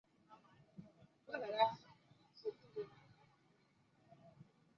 该游戏获得负面的评价。